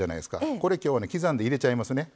これきょうはね刻んで入れちゃいますね。